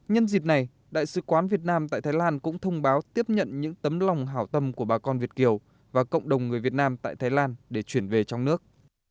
nhân dịp này đại sứ quán việt nam tại thái lan cũng thông báo tiếp nhận những tấm lòng hảo tâm của bà con việt kiều và cộng đồng người việt nam tại thái lan để chuyển về trong nước